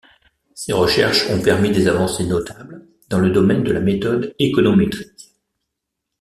Ses recherches ont permis des avancées notables dans le domaine de la méthode économétrique.